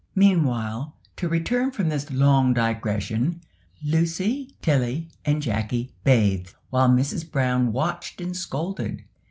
Meanwhile, to return from this long digression, Lucy, Tilly, and Jacky bathed, while Mrs Brown watched and scolded.